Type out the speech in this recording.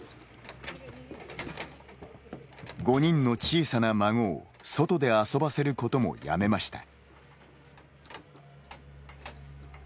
５人の小さな孫を外で遊ばせることもやめました。